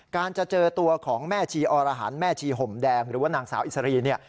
จะเจอตัวของแม่ชีอรหันแม่ชีห่มแดงหรือว่านางสาวอิสรีเนี่ย